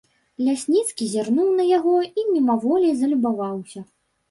Лясніцкі зірнуў на яго і мімаволі залюбаваўся.